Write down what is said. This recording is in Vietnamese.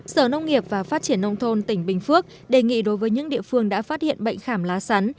sở nông nghiệp và phát triển nông thôn tỉnh bình phước đề nghị đối với những địa phương đã phát hiện bệnh khảm lá sắn